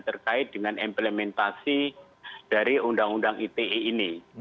terkait dengan implementasi dari undang undang ite ini